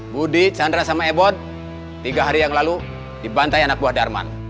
budi chandra sama ebot tiga hari yang lalu dibantah anak buah darman